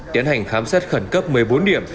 tiến hành khám xét khẩn cấp một mươi bốn điểm